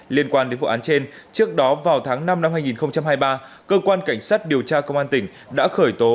liên quan đến vụ án trên trước đó vào tháng năm năm hai nghìn hai mươi ba cơ quan cảnh sát điều tra công an tỉnh đã khởi tố